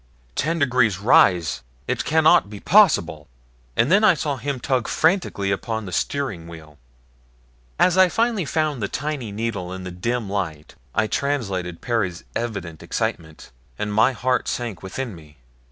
"Ten degrees rise it cannot be possible!" and then I saw him tug frantically upon the steering wheel. As I finally found the tiny needle in the dim light I translated Perry's evident excitement, and my heart sank within me.